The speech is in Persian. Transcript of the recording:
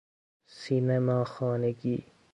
سینما خانگی